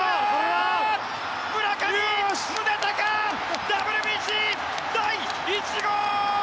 村上宗隆、ＷＢＣ第１号！